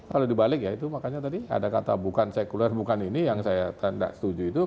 kalau dibalik ya itu makanya tadi ada kata bukan sekuler bukan ini yang saya tanda setuju itu